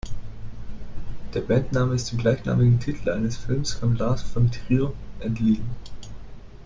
Der Bandname ist dem gleichnamigen Titel eines Films von Lars von Trier entliehen.